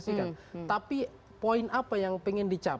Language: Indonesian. sebuah kepinginan kemungkinan yang bisa